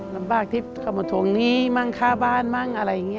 ลำบากที่เขามาทวงหนี้มั่งค่าบ้านมั่งอะไรอย่างนี้